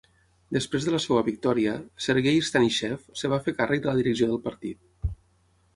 Després de la seva victòria, Sergei Stanishev es va fer càrrec de la direcció del partit.